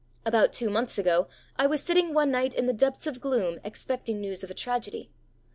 About two months ago I was sitting one night in the depths of gloom expecting news of a tragedy.